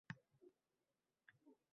Bu asarga qayta qo‘l urganimiz